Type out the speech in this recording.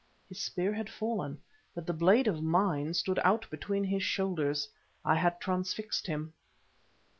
His spear had fallen, but the blade of mine stood out between his shoulders—I had transfixed him.